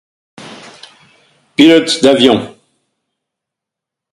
Pilote d'avion